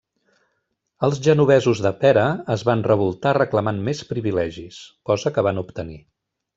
Els genovesos de Pera es van revoltar reclamant més privilegis, cosa que van obtenir.